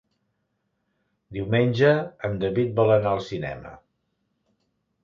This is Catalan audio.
Diumenge en David vol anar al cinema.